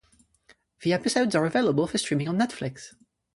The episodes are available for streaming on Netflix.